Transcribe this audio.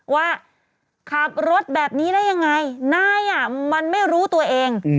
ว่าขับรถแบบนี้ได้ยังไงนายอ่ะมันไม่รู้ตัวเอง